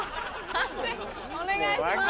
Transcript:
判定お願いします。